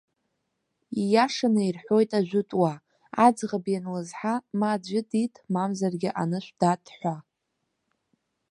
Ииашаны ирҳәоит ажәытәуаа, аӡӷаб ианлызҳа, ма аӡәы диҭ, мамзаргьы анышә даҭ ҳәа.